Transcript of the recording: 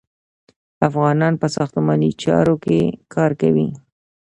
افغانان په ساختماني چارو کې کار کوي.